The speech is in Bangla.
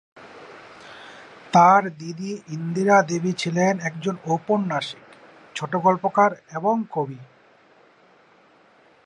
তার দিদি ইন্দিরা দেবী ছিলেন একজন ঔপন্যাসিক, ছোটগল্পকার এবং কবি।